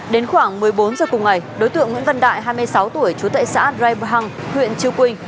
đến khoảng một mươi bốn giờ cùng ngày đối tượng nguyễn văn đại hai mươi sáu tuổi chú tệ xã rai bù hằng huyện chiêu quynh